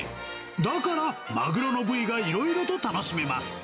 だから、マグロの部位がいろいろと楽しめます。